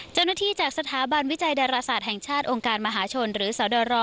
เจ้าหน้าที่จากสถาบันวิจัยดรรษาดแห่งชาติองการมหาชนหรือสาวดร